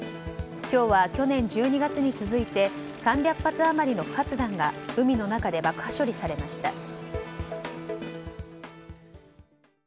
今日は去年１２月に続いて３００発余りの不発弾が海の中で爆破処理されました。